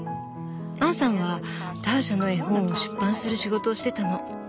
アンさんはターシャの絵本を出版する仕事をしてたの。